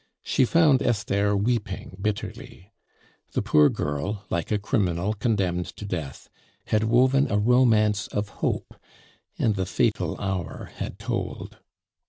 She found Esther weeping bitterly. The poor girl, like a criminal condemned to death, had woven a romance of hope, and the fatal hour had tolled.